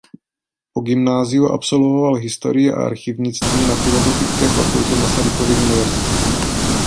Po gymnáziu absolvoval historii a archivnictví na filozofické fakultě Masarykovy univerzity.